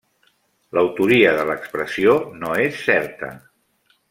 L'autoria de l'expressió no és certa.